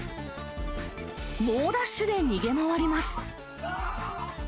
猛ダッシュで逃げ回ります。